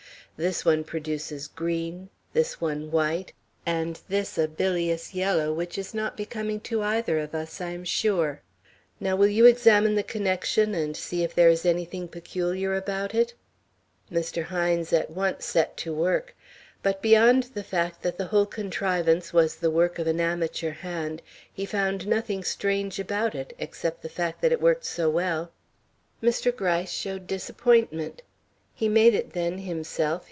This one produces green, this one white, and this a bilious yellow, which is not becoming to either of us, I am sure. Now will you examine the connection, and see if there is anything peculiar about it?" Mr. Hines at once set to work. But beyond the fact that the whole contrivance was the work of an amateur hand, he found nothing strange about it, except the fact that it worked so well. Mr. Gryce showed disappointment. "He made it, then, himself?"